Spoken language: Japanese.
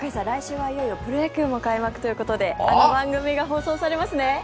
来週はいよいよプロ野球も開幕ということであの番組が放送されますね。